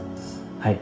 はい。